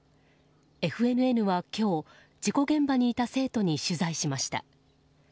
ＦＮＮは今日事故現場にいた生徒に取材しました。